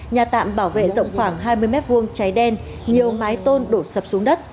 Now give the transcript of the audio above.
nhà tạm bảo vệ rộng khoảng hai mươi m hai cháy đen nhiều mái tôn đổ sập xuống đất